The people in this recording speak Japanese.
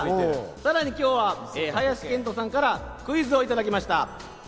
さらに今日は林遣都さんからクイズをいただきました。